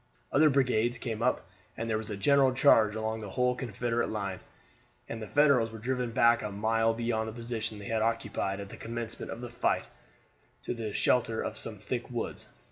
Other brigades came up, and there was a general charge along the whole Confederate line, and the Federals were driven back a mile beyond the position they had occupied at the commencement of the fight to the shelter of some thick woods.